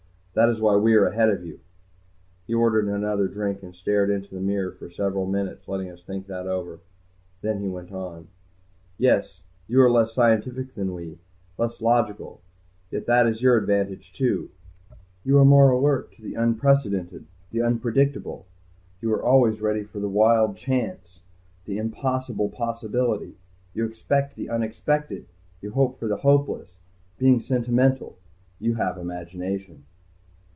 That is why we are ahead of you." He ordered another drink and stared into the mirror for several minutes, letting us think that over. Then he went on. "Yes, you are less scientific than we, less logical. Yet that is your advantage, too. You are more alert to the unprecedented, the unpredictable. You are always ready for the Wild Chance, the impossible possibility. You expect the unexpected. You hope for the hopeless. Being sentimental, you have imagination."